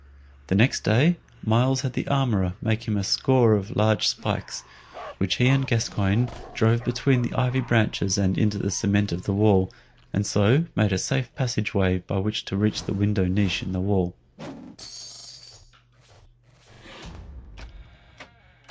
The next day Myles had the armorer make him a score of large spikes, which he and Gascoyne drove between the ivy branches and into the cement of the wall, and so made a safe passageway by which to reach the window niche in the wall.